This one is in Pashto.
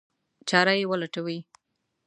چاره یې ولټوي.